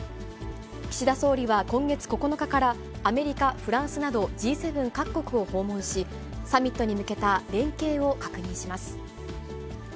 岸田総理は今月９日から、アメリカ、フランスなどＧ７各国を訪問し、サミットに向けた連携を確認します。